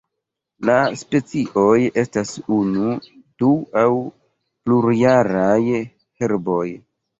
La specioj estas unu, du aŭ plurjaraj herboj.